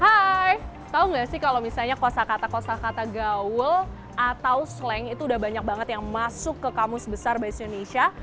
hai tau gak sih kalau misalnya kosa kata kosa kata gaul atau slang itu udah banyak banget yang masuk ke kamus besar biasa indonesia